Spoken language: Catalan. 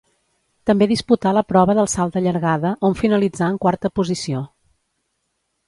També disputà la prova del salt de llargada, on finalitzà en quarta posició.